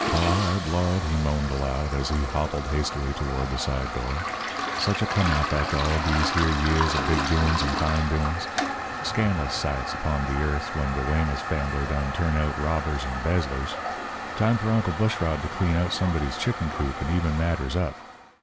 "Lawd! Lawd!" he moaned aloud, as he hobbled hastily toward the side door. "Sech a come off after all dese here years of big doin's and fine doin's. Scan'lous sights upon de yearth when de Weymouth fambly done turn out robbers and 'bezzlers! Time for Uncle Bushrod to clean out somebody's chicken coop and eben matters up.